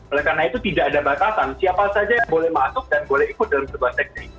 oleh karena itu tidak ada batasan siapa saja yang boleh masuk dan boleh ikut dalam sebuah seksi